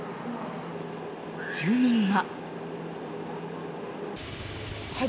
住民は。